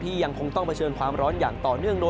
ยังคงต้องเผชิญความร้อนอย่างต่อเนื่อง